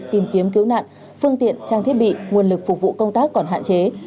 tìm kiếm cứu nạn phương tiện trang thiết bị nguồn lực phục vụ công tác còn hạn chế